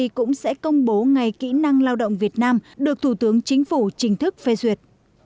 ev cũng sẽ công bố ngày kỹ năng lao động việt nam được thủ tướng chính phủ chính thức phê duyệt